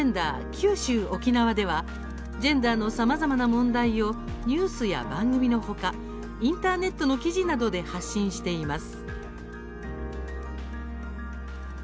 九州・沖縄」ではジェンダーのさまざまな問題をニュースや番組のほかインターネットの記事などで発信しています。